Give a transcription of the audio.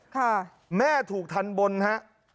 ค่ะแม่ถูกทันบลนะครับ